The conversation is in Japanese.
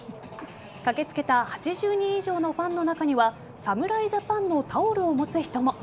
駆けつけた８０人以上のファンの中には侍ジャパンのタオルを持つ人も。